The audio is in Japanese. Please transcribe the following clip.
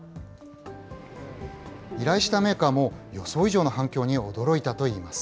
依頼したメーカーも、予想以上の反響に驚いたといいます。